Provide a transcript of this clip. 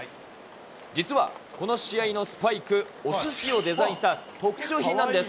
実は、この試合のスパイク、おすしをデザインした特注品なんです。